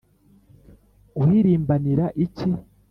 uhirimbanira iki?